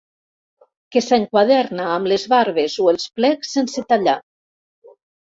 Que s'enquaderna amb les barbes o els plecs sense tallar.